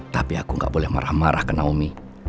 tapi aku gak boleh marah marah ke naomi